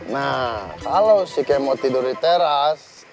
nah kalau si kemo tidur di teras